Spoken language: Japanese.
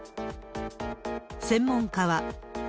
専門家は。